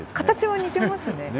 形は似てますね。